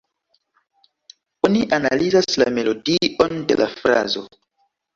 Oni analizas la melodion de la frazo.